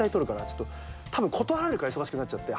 ちょっとたぶん断られるから忙しくなっちゃって。